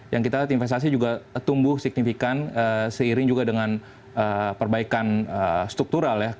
yang kita lihat investasi juga tumbuh signifikan seiring juga dengan perbaikan struktural ya